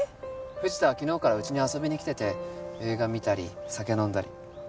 藤田は昨日からうちに遊びに来てて映画見たり酒飲んだり。